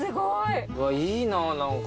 いいな何か。